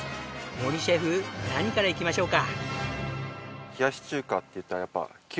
森シェフ何からいきましょうか？